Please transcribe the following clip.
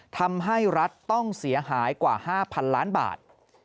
ทำให้รัฐต้องเสียหายกว่า๕๐๐๐ล้านบาท